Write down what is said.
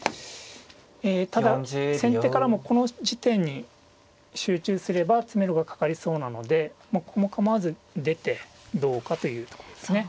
えただ先手からもこの地点に集中すれば詰めろがかかりそうなのでもうここも構わず出てどうかというとこですね。